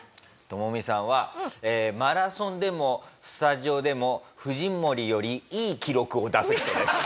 トモミさんはマラソンでもスタジオでも藤森よりいい記録を出す人です。